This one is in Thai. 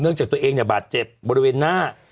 จากตัวเองเนี่ยบาดเจ็บบริเวณหน้า